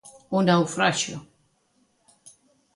Ao naufraxio.